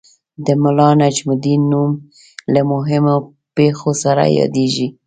د ملا نجم الدین نوم له مهمو پېښو سره یادیږي.